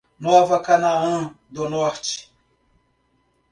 Nova Canaã do Norte